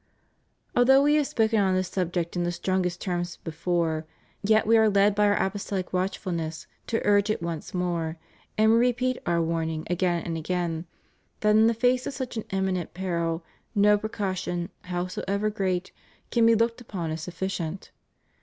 Although We have spoken on this subject in the strong est terms before, yet We are led by Our ApostoUc watch fulness to urge it once more, and We repeat Our warning again and again, that in face of such an eminent peril, no precaution, howsoever great, can be looked upon as suffi cient.